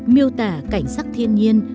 miêu tả cảnh sắc thiên nhiên